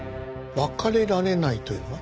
別れられないというのは？